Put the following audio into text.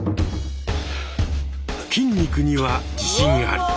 筋肉には自信あり！